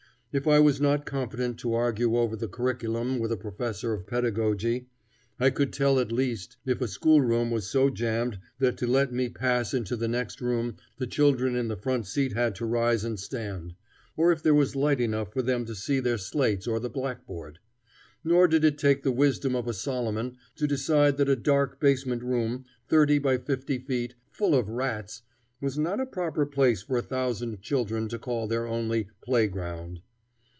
If I was not competent to argue over the curriculum with a professor of pedagogy, I could tell, at least, if a schoolroom was so jammed that to let me pass into the next room the children in the front seat had to rise and stand; or if there was light enough for them to see their slates or the blackboard. Nor did it take the wisdom of a Solomon to decide that a dark basement room, thirty by fifty feet, full of rats, was not a proper place for a thousand children to call their only "playground."